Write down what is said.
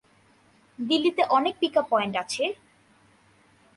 দিল্লিতে অনেক pick up point আছে।